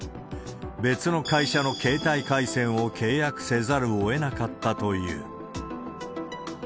別の会社の携帯回線を契約せざるをえなかったという。